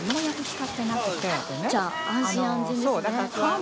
じゃあ安心安全ですね。